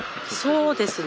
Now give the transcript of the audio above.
そうですね。